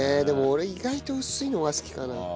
でも俺意外と薄いのが好きかな。